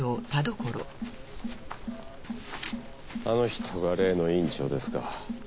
あの人が例の院長ですか。